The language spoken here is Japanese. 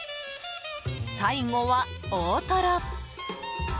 最後は大トロ！